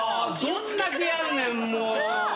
どんだけやんねんもう！